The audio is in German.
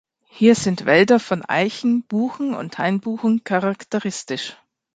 Hier sind Wälder von Eichen, Buchen und Hainbuchen charakteristisch.